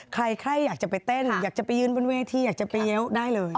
ใครอยากจะไปเต้นอยากจะไปยืนบนเวทีอยากจะไปเยี้ยวได้เลย